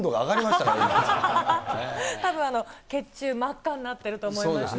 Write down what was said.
たぶん、血流、真っ赤になってると思いますね。